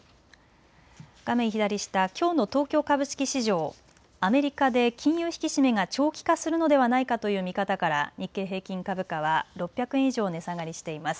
画面左下、きょうの東京株式市場、アメリカで金融引き締めが長期化するのではないかという見方から日経平均株価は６００円以上値下がりしています。